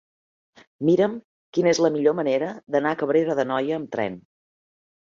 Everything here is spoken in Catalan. Mira'm quina és la millor manera d'anar a Cabrera d'Anoia amb tren.